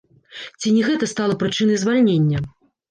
Ці не гэта стала прычынай звальнення?